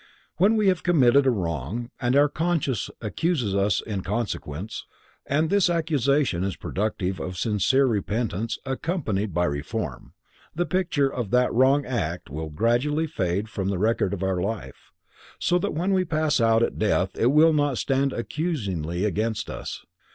When we have committed a wrong and our conscience accuses us in consequence, and this accusation is productive of sincere repentance accompanied by reform, the picture of that wrong act will gradually fade from the record of our life, so that when we pass out at death it will not stand accusingly against us.